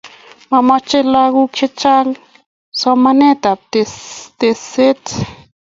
Momoje lakok Che Chang somanet ab tekset